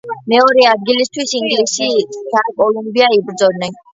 მეორე ადგილისთვის ინგლისი და კოლუმბია იბრძოდნენ.